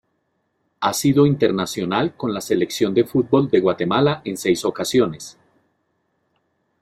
Ha sido internacional con la Selección de fútbol de Guatemala en seis ocasiones.